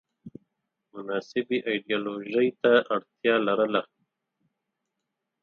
مناسبې ایدیالوژۍ ته اړتیا لرله